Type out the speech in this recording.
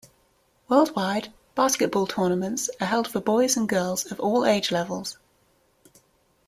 Worldwide, basketball tournaments are held for boys and girls of all age levels.